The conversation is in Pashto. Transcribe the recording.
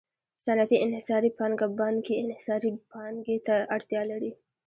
صنعتي انحصاري پانګه بانکي انحصاري پانګې ته اړتیا لري